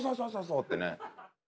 ってね。